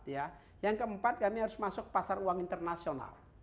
yang keempat kami harus masuk pasar uang internasional